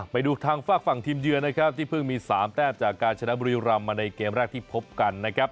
ไปดูทางฝากฝั่งทีมเยือนนะครับที่เพิ่งมี๓แต้มจากการชนะบุรีรำมาในเกมแรกที่พบกันนะครับ